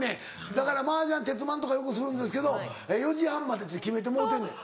だから麻雀徹マンとかよくするんですけど４時半までって決めてもろうてんねん。